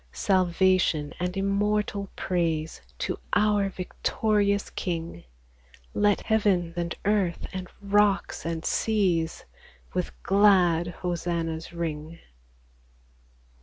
Salvation and immortal praise To our victorious King ! Let heaven and earth, and rocks and seas, With glad hosannas ring